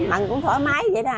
mặn cũng thoải mái vậy đó